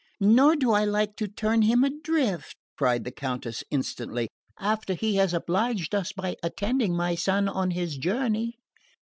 "Nor do I like to turn him adrift," cried the Countess instantly, "after he has obliged us by attending my son on his journey."